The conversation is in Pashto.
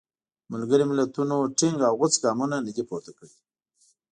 ملګري ملتونو ټینګ او غوڅ ګامونه نه دي پورته کړي.